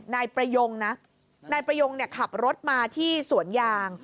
นายประยงนะนายประยงขับรถมาที่สวนยาง